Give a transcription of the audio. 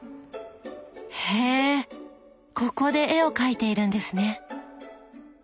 へえここで絵を描いているんですね。